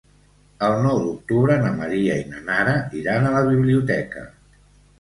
El nou d'octubre na Maria i na Nara iran a la biblioteca.